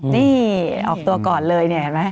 นี่ออกตัวก่อนเลยเห็นไหม